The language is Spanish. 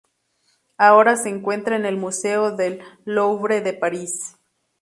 Ahora se encuentra en el Museo del Louvre de París.